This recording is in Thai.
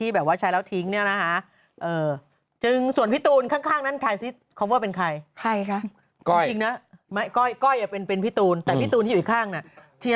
ที่แบบว่าใช้แล้วทิ้งเนี่ยนะฮะส่วนพี่ตูนข้างนั้น